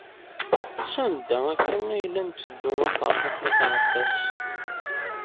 Sanda akka ay la netteddu a Ferḥat n At Ɛebbas?